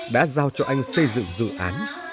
đã giao cho anh xây dựng dự án